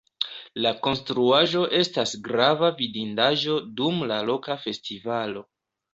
La konstruaĵo estas grava vidindaĵo dum la loka festivalo.